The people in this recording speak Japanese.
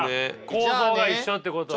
構造が一緒ってことだ。